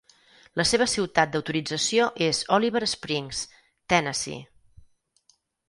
La seva ciutat d'autorització és Oliver Springs, Tennessee.